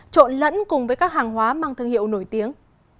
trộn lẫn cùng với các hàng hóa mang thương hiệu nổi tiếng